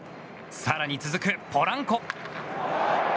更に、続くポランコ。